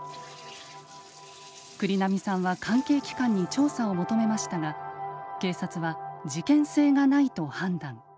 栗並さんは関係機関に調査を求めましたが警察は事件性がないと判断。